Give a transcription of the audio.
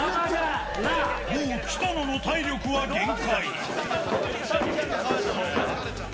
もう北野の体力は限界。